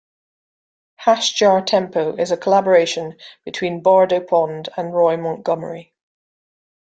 Hash Jar Tempo is a collaboration between Bardo Pond and Roy Montgomery.